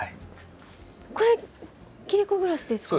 これ切子グラスですか？